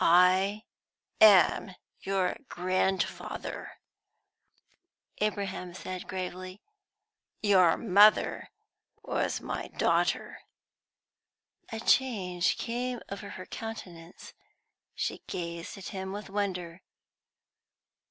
"I am your grandfather," Abraham said gravely. "Your mother was my daughter." A change came over her countenance; she gazed at him with wonder.